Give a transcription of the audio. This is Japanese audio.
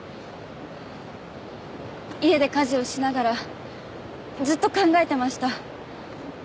家で家事をしながらずっと考えてました。